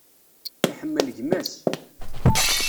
Iḥemmel gma-s.